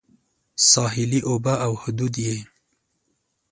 ساحلي اوبه او حدود یې